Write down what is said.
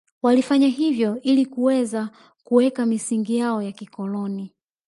Walifanya hivyo ili kuweza kuweka misingi yao ya kikoloni